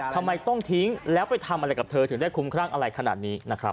ทำไมต้องทิ้งแล้วไปทำอะไรกับเธอถึงได้คุ้มครั่งอะไรขนาดนี้นะครับ